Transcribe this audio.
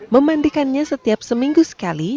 memandikannya setiap seminggu sekali